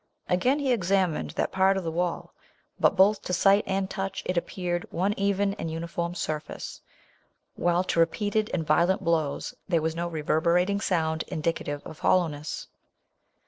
Again he ex amined that part of the wall ; but both to sight and touch it appeared one even and uniform surface, while to repeated and violent blows, there was no reverberating sound indica tive of hollowness.